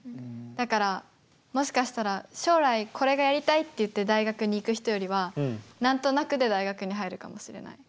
だからもしかしたら将来これがやりたいって言って大学に行く人よりは何となくで大学に入るかもしれない。